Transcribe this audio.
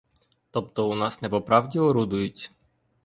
Тобто у нас не по правді орудують?